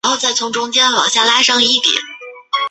斯洛文尼亚总统列表